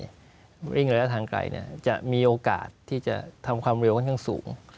วิ่งระยะทางไกลจะมีโอกาสที่จะทำความเร็วค่อนข้างสูง